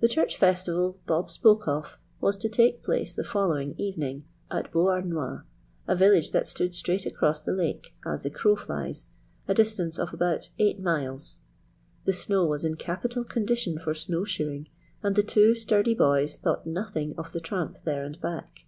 The church festival Bob spoke of was to take place the following evening at Beauharnois, a village that stood straight across the lake "as the crow flies" a distance of about eight miles. The snow was in capital condition for snow shoeing, and the two sturdy boys thought nothing of the tramp there and back.